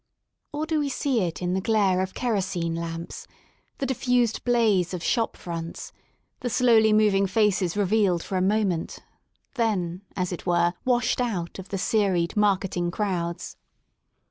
Or do we see it in the glare of kerosene lamps, the diffused blaze of shop fronts, the slowly moving faces revealed for a moment, then as it were, washed out, of the serried, marketing crowds.